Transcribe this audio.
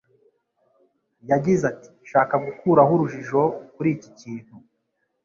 Yagize ati “Nshaka gukuraho urujijo kuri iki kintu